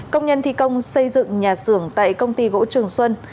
công nhân thi công xây dựng nhà xưởng tại công ty gỗ trường xuân